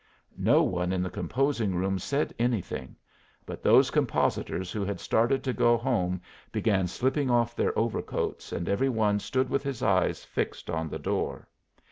No one in the composing room said anything; but those compositors who had started to go home began slipping off their overcoats, and every one stood with his eyes fixed on the door.